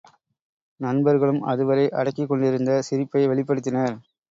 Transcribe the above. நண்பர்களும் அதுவரை அடக்கிக் கொண்டிருந்த சிரிப்பை வெளிப்படுத்தினர்.